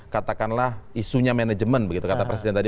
katakanlah isunya manajemen begitu kata presiden tadi